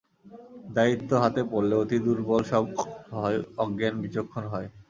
দায়িত্ব হাতে পড়লে অতি-দুর্বল সবল হয়, অজ্ঞান বিচক্ষণ হয়।